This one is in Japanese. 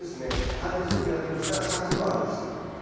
短日条件になってきますから咲くことがあるんですよ。